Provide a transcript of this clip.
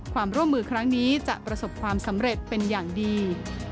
ความร่วมมือครั้งนี้จะประสบความสำเร็จเป็นอย่างดี